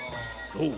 ［そう。